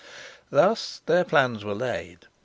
Thus their plans were laid.